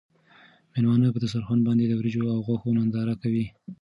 مېلمانه په دسترخوان باندې د وریجو او غوښو ننداره کوي.